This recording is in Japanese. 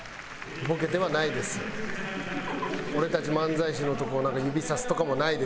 「“俺たち漫才師”のとこをなんか指さすとかもないです」